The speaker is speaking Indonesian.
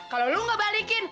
kalau lu nggak balikin